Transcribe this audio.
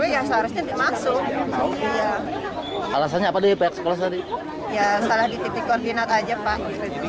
ya salah di titik kontinat aja pak